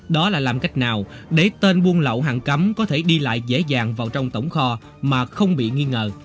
đó là làm cách nào để tên buôn lậu hàng cấm có thể đi lại dễ dàng vào trong tổng kho mà không bị nghi ngờ